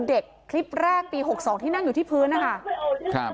เด็กคลิปแรกปีหกสองที่นั่งอยู่ที่พื้นนะคะ